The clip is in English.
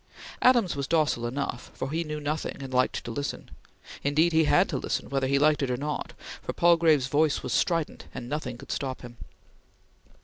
Adams was docile enough, for he knew nothing and liked to listen. Indeed, he had to listen, whether he liked or not, for Palgrave's voice was strident, and nothing could stop him.